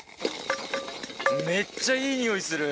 めっちゃいい匂いする！